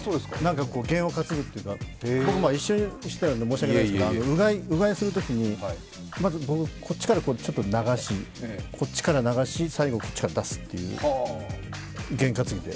験を担ぐというか、一緒にしたら申し訳ないですがうがいするときに、まずこっちから流し、こっちから流し、最後こっちから出すという験担ぎで。